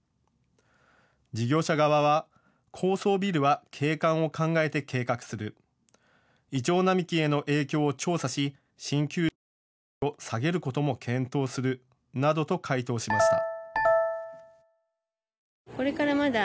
事業者側は高層ビルは景観を考えて計画する、イチョウ並木への影響を調査し新球場の位置を下げることも検討するなどと回答しました。